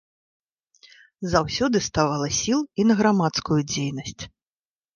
Заўсёды ставала сіл і на грамадскую дзейнасць.